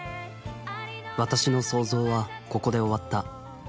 私の想像はここで終わった。